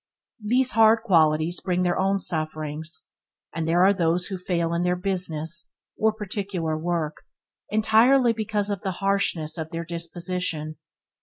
These hard qualities bring their own sufferings, and there are those who fail in their business, or particular work, entirely because of the harshness of their disposition.